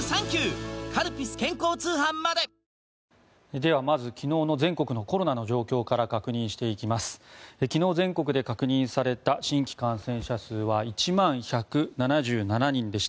では、まず昨日の全国のコロナの状況から確認していきます。